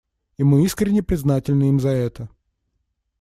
И мы искренне признательны им за это.